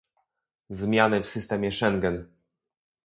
Zmiany w systemie Schengen